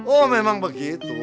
oh memang begitu